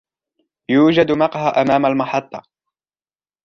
يوجد مقهى أمام المحطة.